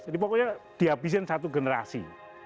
jadi pokoknya dihabisin satu generasi